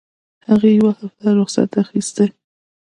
هغې يوه هفته رخصت اخيستى.